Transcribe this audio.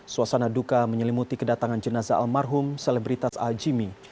suasana duka menyelimuti kedatangan jenazah almarhum selebritas a jimmy